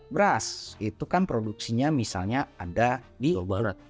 beras itu kan produksinya misalnya ada di obat